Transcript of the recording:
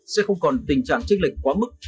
sẽ không còn tình trạng trích lệnh quá mức